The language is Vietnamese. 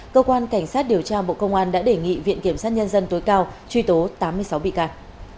cơ quan cảnh sát điều tra bộ công an đã đề nghị viện kiểm sát nhân dân tối cao truy tố tám mươi sáu bị can